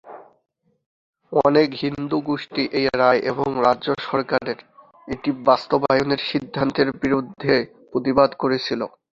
অনেক হিন্দু গোষ্ঠী এই রায় এবং রাজ্য সরকারের এটি বাস্তবায়নের সিদ্ধান্তের বিরুদ্ধে প্রতিবাদ করেছিল।